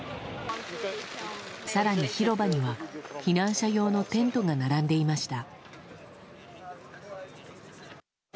更に広場には、避難者用のテントが並んでいました。